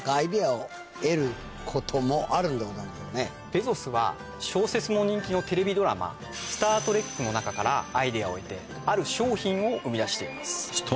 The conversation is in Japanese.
ベゾスは小説も人気のテレビドラマ『スタートレック』の中からアイデアを得てある商品を生み出しています。